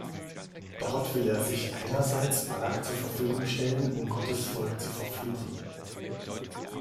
Dort will er sich einerseits Balak zur Verfügung stellen, um Gottes Volk zu verfluchen.